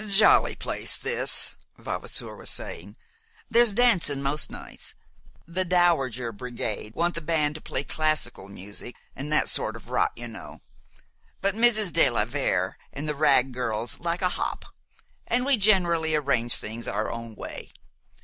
"Jolly place, this," Vavasour was saying. "There's dancin' most nights. The dowager brigade want the band to play classical music, an' that sort of rot, you know; but Mrs. de la Vere and the Wragg girls like a hop, an' we generally arrange things our own way.